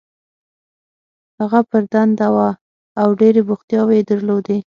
هغه پر دنده وه او ډېرې بوختیاوې یې درلودې.